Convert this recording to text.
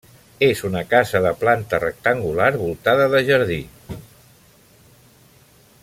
És una casa de planta rectangular voltada de jardí.